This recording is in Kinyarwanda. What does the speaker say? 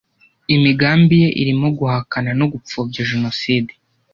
imigambi ye irimo guhakana no gupfobya Jenoside